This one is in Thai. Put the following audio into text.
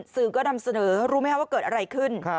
สื่อก็นำเสนอรู้ไหมคะว่าเกิดอะไรขึ้น